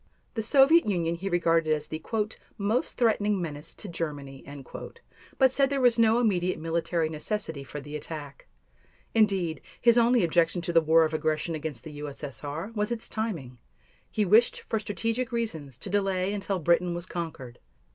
The Soviet Union he regarded as the "most threatening menace to Germany," but said there was no immediate military necessity for the attack. Indeed, his only objection to the war of aggression against the U.S.S.R. was its timing; he wished for strategic reasons to delay until Britain was conquered.